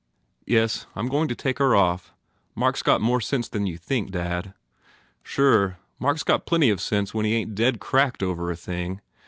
"Yes. I m going to take her off. Mark s got more sense than you think, dad." "Sure. Mark s got plenty of sense when he ain t dead cracked over a thing.